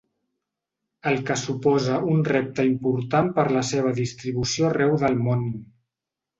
El que suposa un repte important per la seva distribució arreu del món.